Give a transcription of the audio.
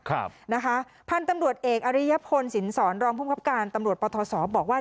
ครับนะคะพันธุ์ตำรวจเอกอริยพลสินสอนรองภูมิครับการตำรวจปทศบอกว่า